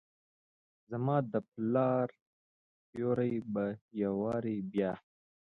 زما دپلا ر سیوري به یووارې بیا،